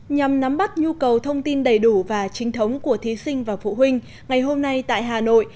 nhằm nắm bắt nhu cầu thông tin đầy đủ và trinh thống của thí sinh và phụ huynh ngày hôm nay tại hà nội